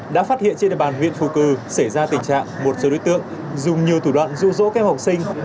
đã phát hiện trên đề bàn huyện phù cư xảy ra tình trạng một số đối tượng dùng nhiều thủ đoạn dụ dỗ kèm học sinh